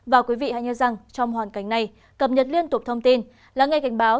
và quý vị hãy nhớ rằng trong hoàn cảnh này cập nhật liên tục thông tin lắng nghe cảnh báo